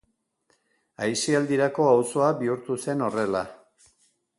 Aisialdirako auzoa bihurtu zen horrela.